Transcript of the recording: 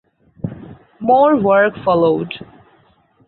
More work followed.